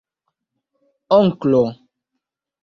onklo